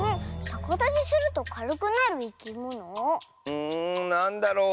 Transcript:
うんなんだろう？